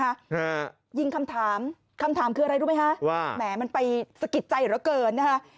ฮะยิงคำถามคำถามคืออะไรรู้ไหมฮะว่าแหมมันไปสะกิดใจเหลือเกินนะฮะ